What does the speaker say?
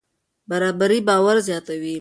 برابري باور زیاتوي.